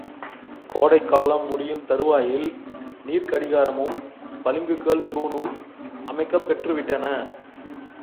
கோடைக்காலம் முடியும் தருவாயில் நீர்க்கடிகாரமும் பளிங்குக்கல் தூணும் அமைக்கப் பெற்றுவிட்டன.